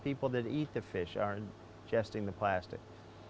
orang yang makan ikan mengandung plastik